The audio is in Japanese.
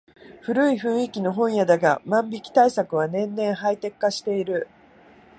古い雰囲気の本屋だが万引き対策は年々ハイテク化している